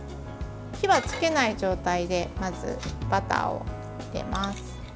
火はつけない状態でまず、バターを入れます。